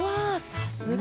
さすが！